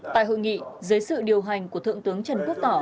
tại hội nghị dưới sự điều hành của thượng tướng trần quốc tỏ